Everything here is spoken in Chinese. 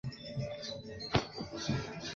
与夕阳产业相对的是朝阳产业。